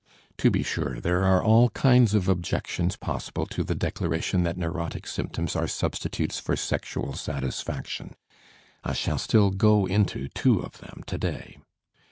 To be sure, there are all kinds of objections possible to the declaration that neurotic symptoms are substitutes for sexual satisfaction. I shall still go into two of them today.